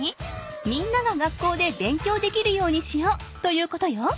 みんなが学校で勉強できるようにしようということよ。